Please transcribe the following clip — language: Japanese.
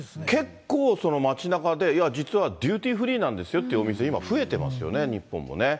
結構、その街なかで、いや、実はデューティーフリーなんですよというお店、今、増えてますよね、日本もね。